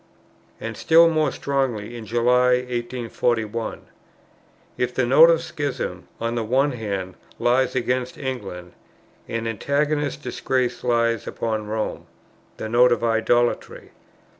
And still more strongly, in July, 1841: "If the Note of schism, on the one hand, lies against England, an antagonist disgrace lies upon Rome, the Note of idolatry.